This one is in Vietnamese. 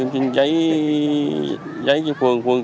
em xin giấy giấy cho phường